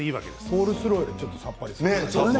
コールスローよりさっぱりしてる。